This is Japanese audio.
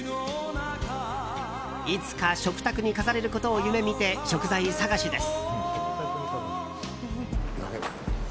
いつか食卓に飾れることを夢見て食材探しです。